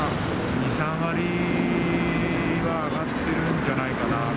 ２、３割は上がってるんじゃないかなと。